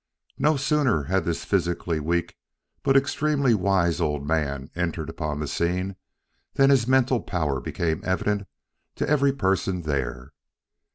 No sooner had this physically weak but extremely wise old man entered upon the scene than his mental power became evident to every person there.